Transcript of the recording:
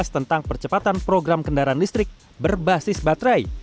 tentang percepatan program kendaraan listrik berbasis baterai